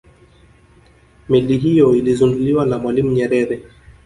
meli hiyo ilizinduliwa na mwalimu nyerere